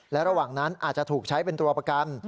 และระหว่างนั้นอาจจะถูกใช้เป็นตัวประกัน